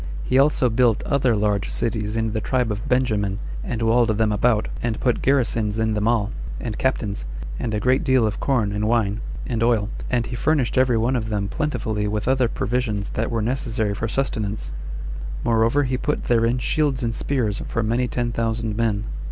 He also built other large cities in the tribe of Benjamin, and walled them about, and put garrisons in them all, and captains, and a great deal of corn, and wine, and oil, and he furnished every one of them plentifully with other provisions that were necessary for sustenance; moreover, he put therein shields and spears for many ten thousand men.